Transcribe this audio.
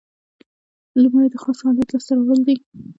لومړی د خاص حالت لاس ته راوړل دي.